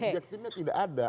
objektifnya tidak ada